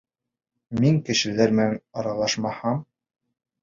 Мин кешеләр менән аралашмаһам...